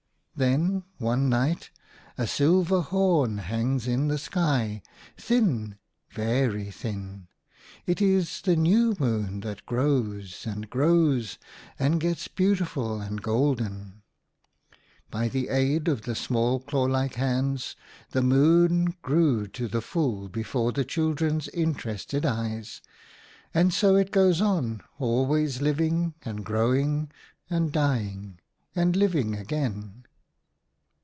Then one night a silver horn hangs in the sky — thin, very thin. It is the new Moon that grows, and grows, and gets beautiful and golden." By the aid of the small claw like hands the moon grew to the full before the children's interested eyes. " And so it goes on, always living, and grow ing, and dying, and living again.